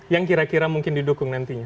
yang kira kira mungkin didukung nantinya